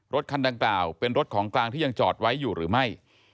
รถคันดังกล่าวเป็นรถของกลางที่ยังจอดไว้อยู่หรือไม่